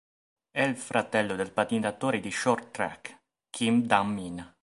È il fratello del pattinatore di short track Kim Dam-Min.